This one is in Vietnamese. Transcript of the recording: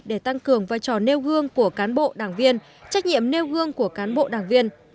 để tăng cường vai trò nêu gương của cán bộ đảng viên trách nhiệm nêu gương của cán bộ đảng viên